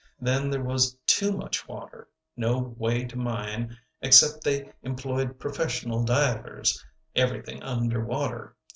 Then there was too much water, no way to mine except they employed professional divers, everything under water.